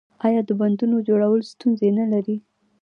آیا د بندونو جوړول ستونزې نلري؟